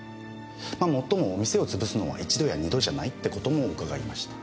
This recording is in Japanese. まあもっとも店を潰すのは一度や二度じゃないって事も伺いました。